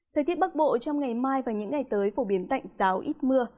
thời tiết bắc bộ trong ngày mai và những ngày tới phổ biến tạnh giáo ít mưa